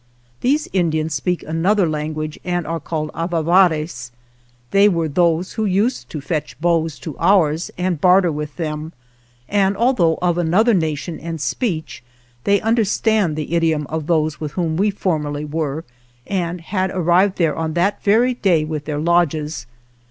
These Indians speak another language and are called Avavares. They were those who used to fetch bows to ours and barter with them, and, although of another nation and speech, they understand the idiom of those with whom we formerly were and had ar rived there on that very day with their lodges.